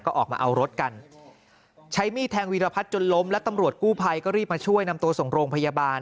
ก็ออกมาเอารถกันใช้มีดแทงวีรพัฒน์จนล้มแล้วตำรวจกู้ภัยก็รีบมาช่วยนำตัวส่งโรงพยาบาล